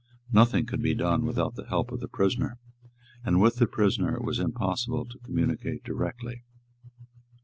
Nothing could be done without the help of the prisoner; and with the prisoner it was impossible to communicate directly.